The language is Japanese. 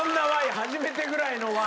初めてぐらいの「ＷＨＹ？」。